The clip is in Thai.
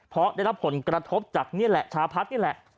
เพราะได้รับผลกระทบจากนี่แหละชาพัฒน์นี่แหละ